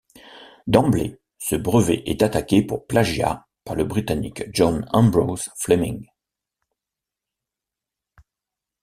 D'emblée, ce brevet est attaqué pour plagiat par le Britannique John Ambrose Fleming.